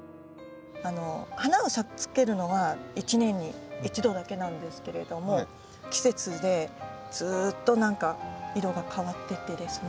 花をつけるのは１年に１度だけなんですけれども季節でずっと何か色が変わってってですね。